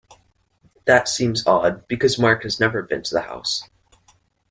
That seems odd because Mark has never been to the house.